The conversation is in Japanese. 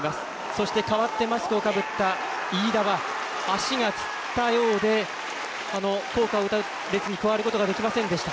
そして、代わってマスクをかぶった飯田は足がつったようで校歌を歌う列に加わることができませんでした。